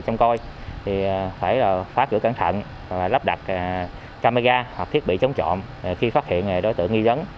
thì phải phá cửa cẩn thận và lắp đặt camera hoặc thiết bị chống trộm khi phát hiện đối tượng nghi dấn